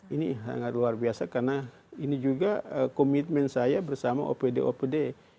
ini sangat luar biasa karena ini juga komitmen saya bersama opd opd